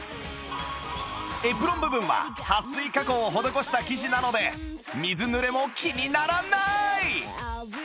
エプロン部分ははっ水加工を施した生地なので水濡れも気にならない！